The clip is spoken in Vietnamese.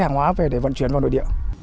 hàng hóa về để vận chuyển vào nội địa